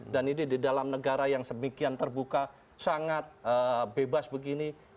ini di dalam negara yang semikian terbuka sangat bebas begini